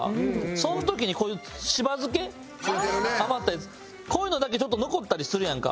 その時にこういうしば漬け余ったやつこういうのだけちょっと残ったりするやんか。